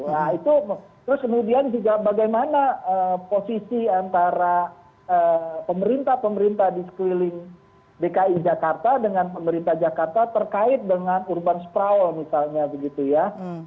nah itu terus kemudian juga bagaimana posisi antara pemerintah pemerintah di sekeliling dki jakarta dengan pemerintah jakarta terkait dengan urban sprawall misalnya begitu ya